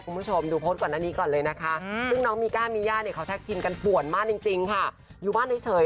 คุณผู้ชมอย่างที่เห็นในภาพนะคะก็เท้าผู้ใหญ่นะมันจะใหญ่